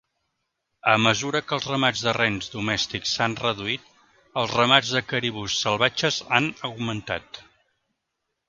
A mesura que els ramats de rens domèstics s'han reduït, els ramats de caribús salvatges han augmentat.